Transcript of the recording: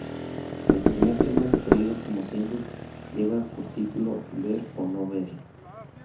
El primer tema extraído como single lleva por título ´Ver o no ver´.